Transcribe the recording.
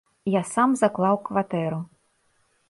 Я сам заклаў кватэру.